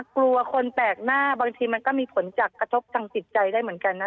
กลัวคนแปลกหน้าบางทีมันก็มีผลจากกระทบทางจิตใจได้เหมือนกันนะ